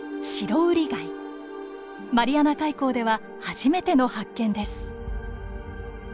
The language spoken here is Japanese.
マリアナ海溝では初めての発見です。